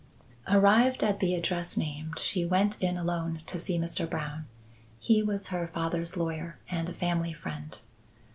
Arrived at the address named, she went in alone to see Mr. Brown. He was her father's lawyer and a family friend.